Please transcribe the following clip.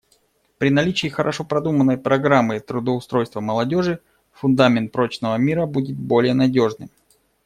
При наличии хорошо продуманной программы трудоустройства молодежи фундамент прочного мира будет более надежным.